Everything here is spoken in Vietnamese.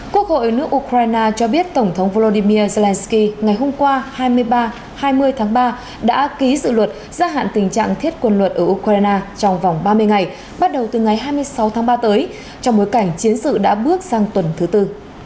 quốc hội nước ukraine cho biết tổng thống volodymyr zelensky ngày hôm qua hai mươi ba hai mươi tháng ba đã ký dự luật gia hạn tình trạng thiết quân luật ở ukraine trong vòng ba mươi ngày bắt đầu từ ngày hai mươi sáu tháng ba tới trong bối cảnh chiến sự đã bước sang tuần thứ tư